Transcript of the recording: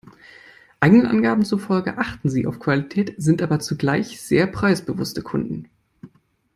Eigenen Angaben zufolge achten sie auf Qualität, sind aber zugleich sehr preisbewusste Kunden.